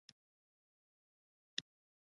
د شیام حکومت ښيي چې محدوده وده ترلاسه کېدای شي